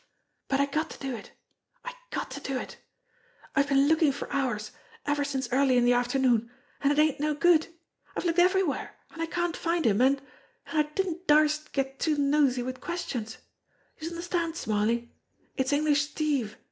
"But I got to do it. I got to do it. I've been lookin' for hours, ever since early in de afternoon, an' it ain't no good. I've looked everywhere, an' I can't find him, an' an' I didn't darst get too nosey wid questions. Youse understand, Smarly? It's English Steve.